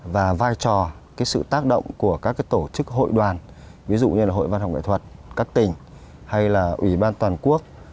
và vai trò sự tác động của các tổ chức hội đoàn ví dụ như là hội văn học nghệ thuật các tỉnh hay là ủy ban toàn quốc